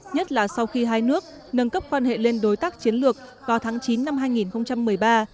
nhất là sau khi hai nước nâng cấp quan hệ lên đối tác chiến lược vào tháng chín năm hai nghìn một mươi ba